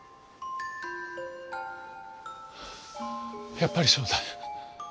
やっぱりそうだ。